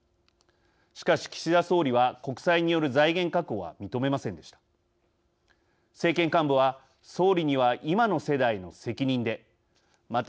しかし、岸田総理は国債による財源確保は認めませんでした。